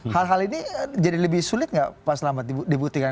hal hal ini jadi lebih sulit nggak pak selamat dibuktikan